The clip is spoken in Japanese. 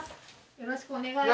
よろしくお願いします。